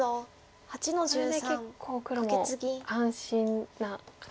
これで結構黒も安心な形に。